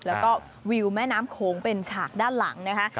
แล้วก็วิวแม่น้ำโขงเป็นฉากด้านหลังนะคะ